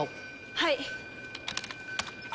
はい。